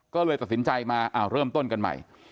ก็เลยตัดสินใจมาเริ่มต้นกันใหม่